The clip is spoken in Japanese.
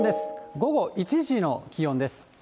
午後１時の気温です。